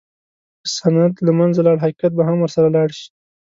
که سند له منځه لاړ، حقیقت به هم ورسره لاړ شي.